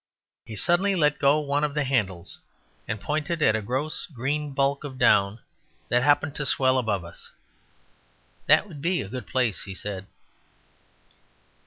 He suddenly let go one of the handles and pointed at a gross green bulk of down that happened to swell above us. "That would be a good place," he said.